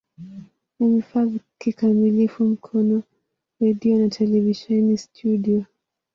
Ni vifaa kikamilifu Mkono redio na televisheni studio.